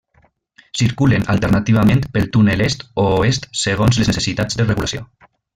Circulen alternativament pel túnel est o oest segons les necessitats de regulació.